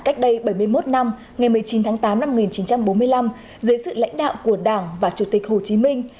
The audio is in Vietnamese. cách đây bảy mươi một năm ngày một mươi chín tháng tám năm một nghìn chín trăm bốn mươi năm dưới sự lãnh đạo của đảng và chủ tịch hồ chí minh